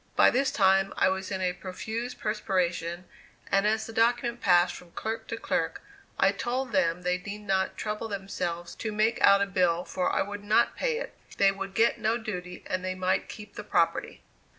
By this time I was in a profuse perspiration; and as the document passed from clerk to clerk, I told them they need not trouble themselves to make out a bill for I would not pay it; they would get no duty and they might keep the property.